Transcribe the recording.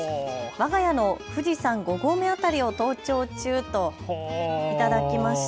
わが家の富士山５合目辺りを登頂中と頂きました。